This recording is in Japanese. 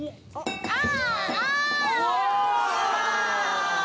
あ！